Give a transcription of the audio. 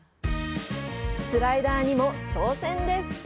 スライダーにも挑戦です。